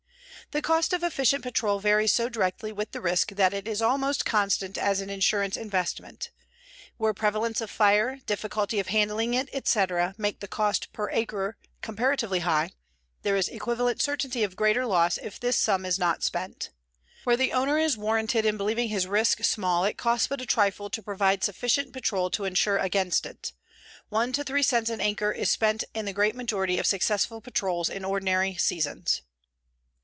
The cost of efficient patrol varies so directly with the risk that it is almost constant as an insurance investment. Where prevalence of fire, difficulty of handling it, etc., make the cost per acre comparatively high, there is equivalent certainty of greater loss if this sum is not spent. Where the owner is warranted in believing his risk small it costs but a trifle to provide sufficient patrol to insure against it. One to 3 cents an acre is spent in the great majority of successful patrols in ordinary seasons.